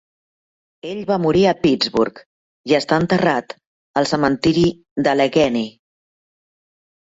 Ell va morir a Pittsburgh i està enterrat al cementiri d'Allegheny.